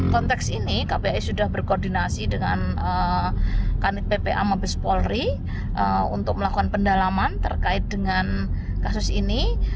konteks ini kpai sudah berkoordinasi dengan kanit ppa mabes polri untuk melakukan pendalaman terkait dengan kasus ini